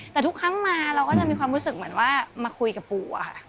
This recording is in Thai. แต่ทุกครั้งมาเราก็จะมีความรู้สึกเหมือนว่ามาคุยกับปู่อะค่ะ